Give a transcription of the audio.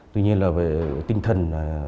tuy nhiên là tinh thần